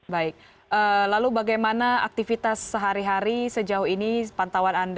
baik lalu bagaimana aktivitas sehari hari sejauh ini pantauan anda